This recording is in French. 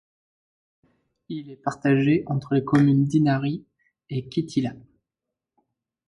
Il est partagé entre les communes d'Inari et Kittilä.